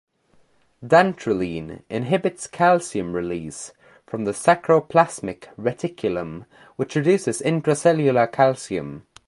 Dantrolene inhibits calcium release from the sarcoplasmic reticulum which reduces intracellular calcium.